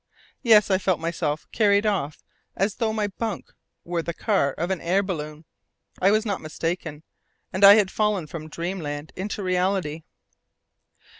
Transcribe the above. Yes, I felt myself carried off as though my bunk were the car of an air balloon. I was not mistaken, and I had fallen from dreamland into reality.